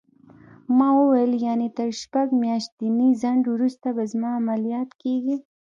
ما وویل: یعنې تر شپږ میاشتني ځنډ وروسته به زما عملیات کېږي؟